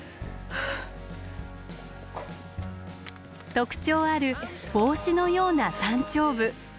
特徴ある帽子のような山頂部。